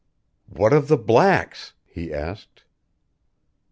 "What of the blacks?" he asked.